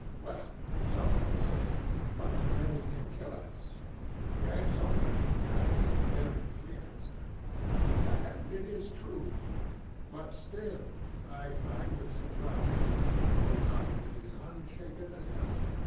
'Well,' some one will say, 'but the many can kill us.' CRITO: Yes, Socrates; that will clearly be the answer. SOCRATES: And it is true; but still I find with surprise that the old argument is unshaken as ever.